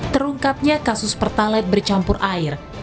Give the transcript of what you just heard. terungkapnya kasus pertalet bercampur air